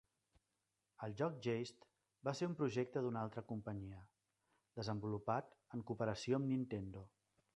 El joc "Geist" va ser un projecte d'una altra companyia, desenvolupat en cooperació amb Nintendo.